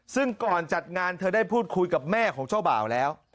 ซึ่งก่อนจัดงานเธอได้พูดคุยกับแม่ของเจ้าบ่าวแล้ว